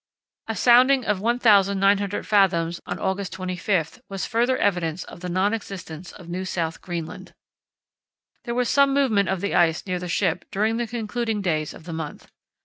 A sounding of 1900 fathoms on August 25 was further evidence of the non existence of New South Greenland. There was some movement of the ice near the ship during the concluding days of the month.